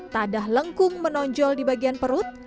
tadah lengkung menonjol di bagian perut